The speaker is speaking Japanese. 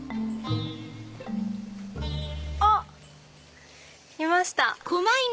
あっいました！